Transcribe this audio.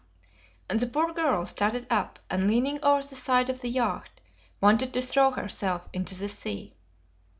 And the poor girl started up, and leaning over the side of the yacht, wanted to throw herself into the sea.